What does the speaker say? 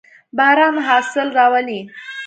باران حاصل راولي.